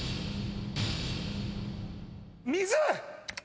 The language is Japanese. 水！